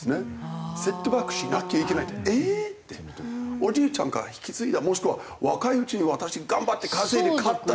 おじいちゃんから引き継いだもしくは若いうちに私頑張って稼いで買った土地。